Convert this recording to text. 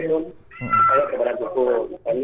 saya akan menuntun